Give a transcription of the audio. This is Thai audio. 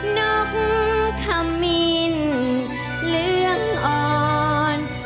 นกขมินเหลืองอ่อน